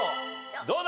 どうだ？